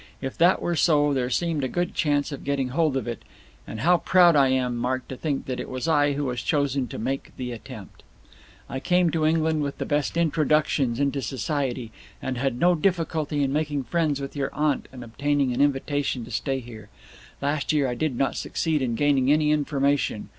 If that were so, there seemed a good chance of getting hold of it, and how proud I am, Mark, to think that it was I who was chosen to make the attempt! "I came to England with the best introductions into society, and had no difficulty in making friends with your aunt and obtaining an invitation to stay here. Last year I did not succeed in gaining any information.